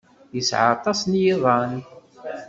Yesɛa aṭas n yiḍan.